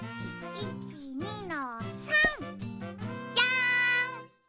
１２の３。じゃん。